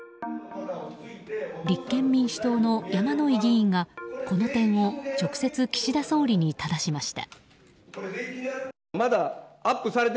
立憲民主党の山井議員がこの点を直接岸田総理にただしました。